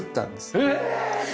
えっ！？